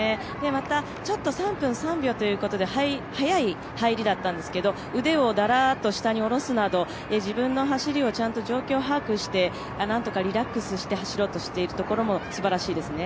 また、ちょっと３分３秒ということで速い入りだったんですけど、腕をだらっと下におろすなど、自分の走りをちゃんと状況把握してなんとかリラックスして走ろうとしているところもすばらしいですね。